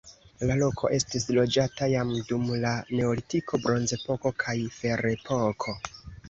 La loko estis loĝata jam dum la neolitiko, bronzepoko kaj ferepoko.